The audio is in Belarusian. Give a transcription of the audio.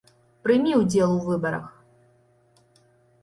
Прымі ўдзел у выбарах!